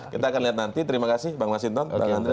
kita akan lihat nanti terima kasih pak mas indra dan pak andri